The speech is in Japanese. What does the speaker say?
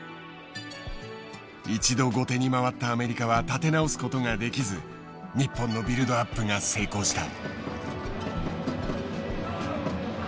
一度後手に回ったアメリカは立て直すことができず日本のビルドアップが成功した。